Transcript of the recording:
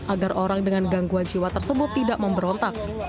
agar orang dengan gangguan jiwa tersebut tidak memberontak